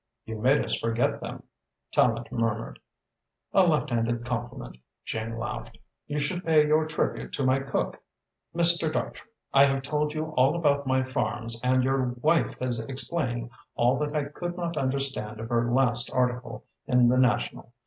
"You made us forget them," Tallente murmured. "A left handed compliment," Jane laughed. "You should pay your tribute to my cook. Mr. Dartrey, I have told you all about my farms and your wife has explained all that I could not understand of her last article in the National.